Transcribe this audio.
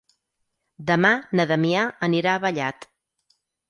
Demà na Damià anirà a Vallat.